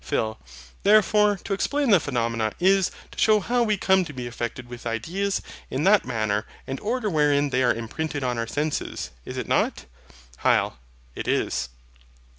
PHIL. Therefore, to explain the phenomena, is, to shew how we come to be affected with ideas, in that manner and order wherein they are imprinted on our senses. Is it not? HYL. It is.